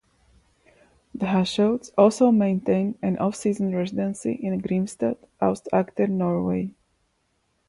The Hushovds also maintain an offseason residency in Grimstad, Aust-Agder, Norway.